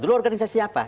dulu organisasi apa